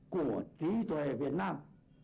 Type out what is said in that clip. của trí tuệ việt nam